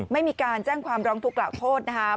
ไม่มีการแจ้งความร้องทุกข์กล่าวโทษนะครับ